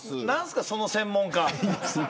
なんすかその専門家。